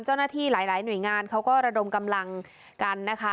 เจ้าหน้าที่หลายหน่วยงานเขาก็ระดมกำลังกันนะคะ